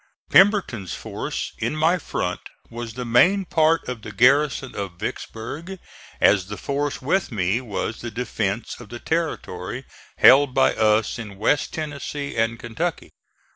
Pemberton's force in my front was the main part of the garrison of Vicksburg, as the force with me was the defence of the territory held by us in West Tennessee and Kentucky.